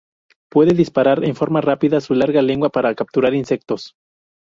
Puede disparar en forma rápida su larga lengua para capturar insectos.